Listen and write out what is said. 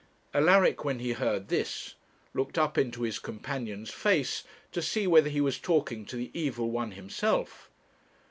Alaric, when he heard this, looked up into his companion's face to see whether he was talking to the Evil One himself.